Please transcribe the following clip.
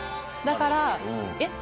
だから、え？